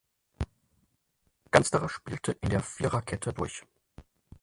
Gansterer spielte in der Viererkette durch.